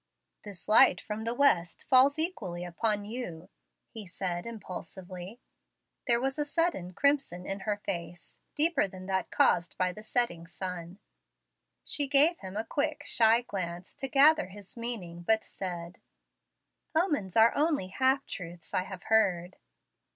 "This light from the West falls equally upon you," he said impulsively. There was a sudden crimson in her face, deeper than that caused by the setting sun. She gave him a quick, shy glance, to gather his meaning, but said, "Omens are only half truths, I have heard."